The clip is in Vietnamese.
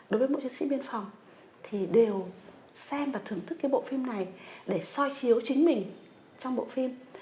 đối với mỗi chiến sĩ biên phòng thì đều xem và thưởng thức cái bộ phim này để soi chiếu chính mình trong bộ phim